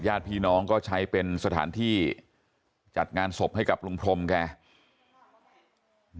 ญาติพี่น้องก็ใช้เป็นสถานที่จัดงานศพให้กับลุงพรมแก